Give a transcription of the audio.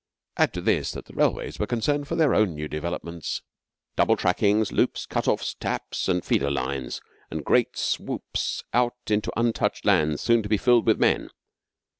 Add to this, that the railways were concerned for their own new developments double trackings, loops, cutoffs, taps, and feeder lines, and great swoops out into untouched lands soon to be filled with men.